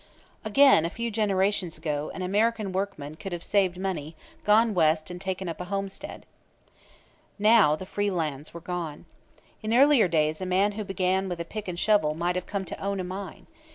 Again, a few generations ago an American workman could have saved money, gone West and taken up a homestead. Now the free lands were gone. In earlier days a man who began with pick and shovel might have come to own a mine.